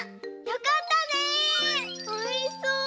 よかったねおいしそう。